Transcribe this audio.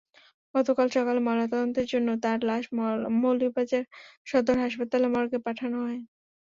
গতকাল সকালে ময়নাতদন্তের জন্য তাঁর লাশ মৌলভীবাজার সদর হাসপাতালের মর্গে পাঠানো হয়।